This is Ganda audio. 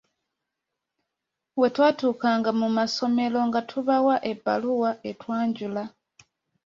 Bwe twatuukanga mu masomero nga tubawa ebbaluwa etwanjula.